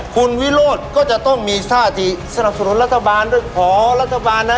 คุณวิโรธก็จะต้องมีท่าที่สนับสนุนรัฐบาลด้วยขอรัฐบาลนะ